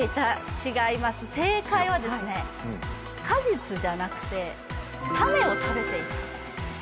違います、正解は果実じゃなくて種を食べていた。